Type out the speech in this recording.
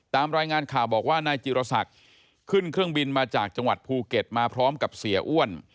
ตามรายงานข่าวบอกว่านายจิรศักดิ์ขึ้นเครื่องบินมาจากจังหวัดภูเก็ตมาพร้อมกับเสียอ้วน